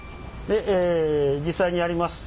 でえ実際にやります。